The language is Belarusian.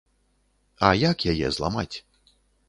А як яе зламаць?